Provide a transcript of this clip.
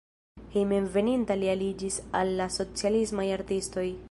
Hejmenveninta li aliĝis al la socialismaj artistoj.